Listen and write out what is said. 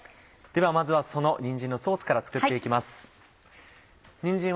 ではまずはそのにんじんのソースから作って行きます。